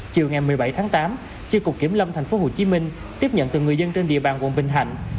chiều ngày một mươi bảy tháng tám chi cục kiểm lâm thành phố hồ chí minh tiếp nhận từ người dân trên địa bàn quận bình thạnh